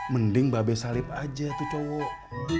mending babe salib aja tuh cowok